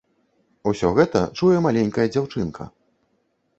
Усё гэта чуе маленькая дзяўчынка.